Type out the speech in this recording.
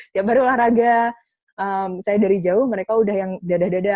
tiap hari olahraga saya dari jauh mereka udah yang dadah dadah